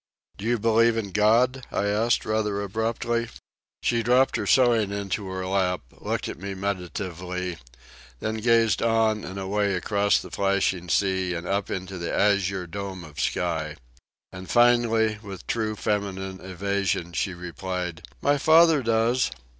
"Do you believe in God?" I asked rather abruptly. She dropped her sewing into her lap, looked at me meditatively, then gazed on and away across the flashing sea and up into the azure dome of sky. And finally, with true feminine evasion, she replied: "My father does."